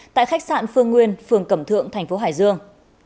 tại khách sạn phương nguyên phường cẩm thượng thành phố hải dương